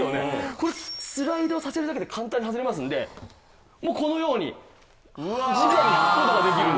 これスライドさせるだけで簡単に外れますのでもうこのようにじかに拭く事ができるんです。